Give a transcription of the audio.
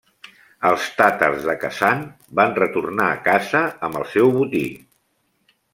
Els tàtars de Kazan van retornar a casa amb el seu botí.